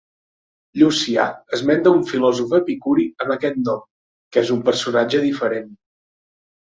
Llucià esmenta un filòsof epicuri amb aquest nom, que és un personatge diferent.